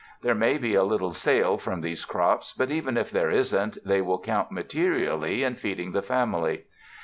There may be a little sale from these crops, but even if there isn't, they will count materially in feeding the family.